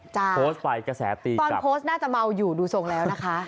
โพสต์ไปกระแสตีตอนโพสต์น่าจะเมาอยู่ดูทรงแล้วนะคะ